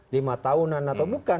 lima tahunan atau bukan